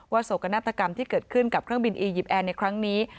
โศกนาฏกรรมที่เกิดขึ้นกับเครื่องบินอียิปต์แอร์ในครั้งนี้